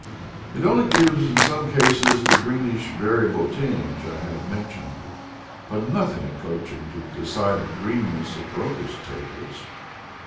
It only gives in some cases the greenish variable tinge I have mentioned, but nothing approaching to the decided greens of Broca's tables.